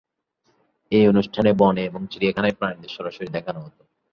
এই অনুষ্ঠানে বনে এবং চিড়িয়াখানায় প্রাণীদের সরাসরি দেখানো হতো।